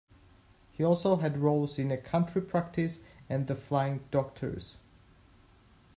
He also had roles in "A Country Practice" and "The Flying Doctors".